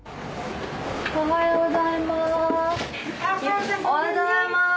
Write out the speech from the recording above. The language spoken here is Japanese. おはようございます。